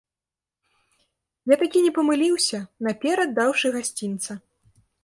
Я такі не памыліўся, наперад даўшы гасцінца.